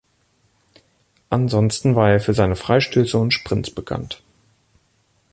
Ansonsten war er für seine Freistöße und Sprints bekannt.